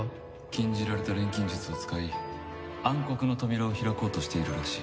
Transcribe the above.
禁じられた錬金術を使い暗黒の扉を開こうとしているらしい。